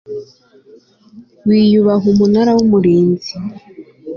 wiyubaha umunara w umurinzi